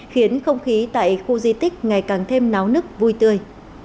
khiến không khí tại khu di tích ngày càng thêm náo nức vui tươi